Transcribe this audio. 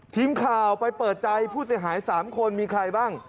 ทีมข่าวไปเปิดใจผู้เสียหาย๓คนมีใครบ้าง